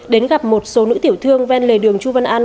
đến gặp một số nữ tiểu thương ven lề đường chu văn an